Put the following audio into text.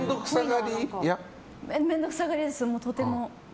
面倒くさがり屋です、とても。